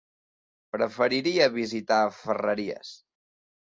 Preferiria visitar Ferreries.